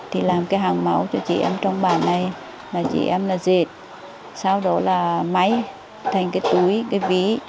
thì làm cái hàng máu cho chị em trong bản này là chị em là dệt sau đó là máy thành cái túi cái ví